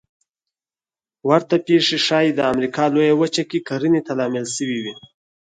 ورته پېښې ښایي د امریکا لویه وچه کې کرنې ته لامل شوې وي